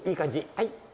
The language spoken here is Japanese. はい。